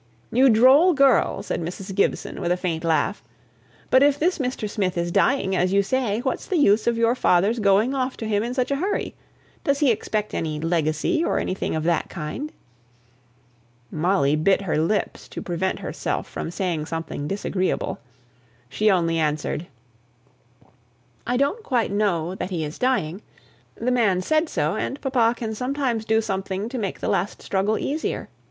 "You droll girl!" said Mrs. Gibson, with a faint laugh. "But if this Mr. Smith is dying, as you say, what's the use of your father's going off to him in such a hurry? Does he expect any legacy, or anything of that kind?" Molly bit her lips to prevent herself from saying something disagreeable. She only answered, "I don't quite know that he is dying. The man said so; and papa can sometimes do something to make the last struggle easier.